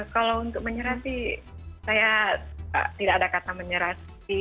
kalau untuk menyerah sih saya tidak ada kata menyerah